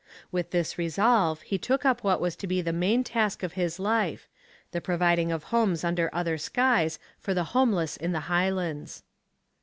With this resolve he took up what was to be the main task of his life the providing of homes under other skies for the homeless in the Highlands.